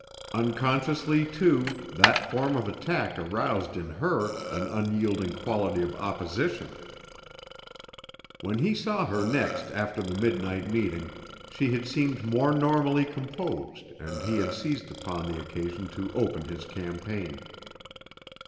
Unconsciously, too, that form of attack aroused in her an unyielding quality of opposition. When he saw her next after the mid night meeting she had seemed more normally composed and he had seized upon the occasion to open his campaign.